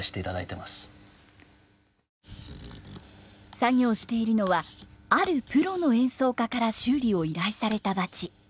作業しているのはあるプロの演奏家から修理を依頼されたバチ。